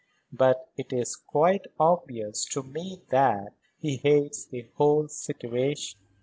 But it is quite obvious to me that he hates the whole situation."